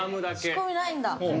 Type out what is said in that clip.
仕込みないんだ。